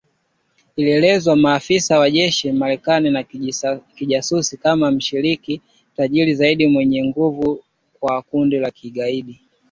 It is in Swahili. Ilielezewa na maafisa wa jeshi la Marekani na kijasusi kama mshirika tajiri zaidi na mwenye nguvu wa kundi la kigaidi